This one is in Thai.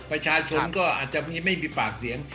ประชาชนก็อาจจะไม่มีปากเสียง